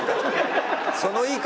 その言い方。